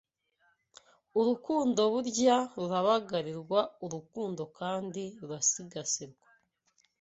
Urukundo burya rurabagarirwa urukundo kandi rurasigasirwa